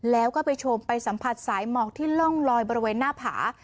แล้วก็ไปชมไปสัมผัสสายหมอกที่ร่องลอยบริเวณหน้าผา